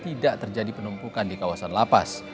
tidak terjadi penumpukan di kawasan lapas